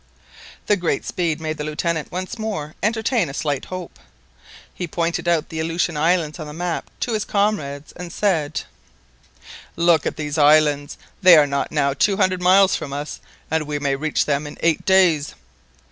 This great speed made the Lieutenant once more entertain a slight hope. He pointed out the Aleutian Islands on the map to his comrades, and said— "Look at these islands; they are not now two hundred miles from us, and we may reach them in eight days."